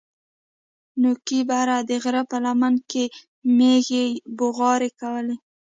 نوکي بره د غره په لمن کښې مېږې بوغارې کولې.